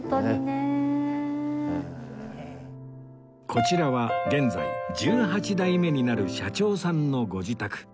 こちらは現在１８代目になる社長さんのご自宅